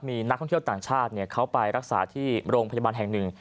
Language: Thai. มีนักท่องเที่ยวต่างชาติเขาไปรักษาที่โรงพยาบาลแห่งหนึ่ง